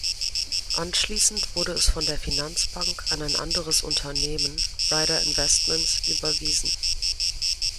Anschließend wurde es von der Finansbank an ein anderes Unternehmen, Ryder Investments, überwiesen.